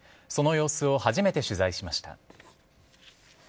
その様子を初めて取材しました。